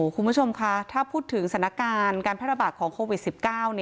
คุณผู้ชมคะถ้าพูดถึงสถานการณ์การแพร่ระบาดของโควิด๑๙